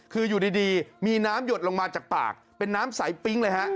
คืออยู่ดีมีน้ำหยดลงมาจากปากเป็นน้ำใสปิ๊งเลยฮะ